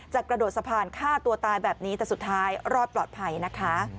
กระโดดสะพานฆ่าตัวตายแบบนี้แต่สุดท้ายรอดปลอดภัยนะคะ